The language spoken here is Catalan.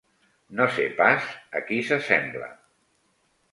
No sé pas a qui s'assembla